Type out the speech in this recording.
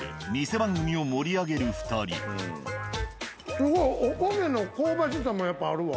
すごいお焦げの香ばしさもやっぱあるわ。